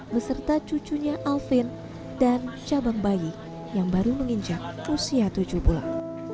beserta cucunya alvin dan cabang bayi yang baru menginjak usia tujuh bulan